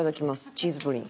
チーズプリン。